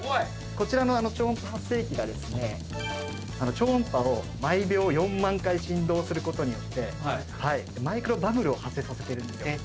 こちらの超音波発生器が超音波を毎秒４万回振動することによってマイクロバブルを発生させてるんですよ。